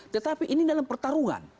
tetapi ini dalam pertarungan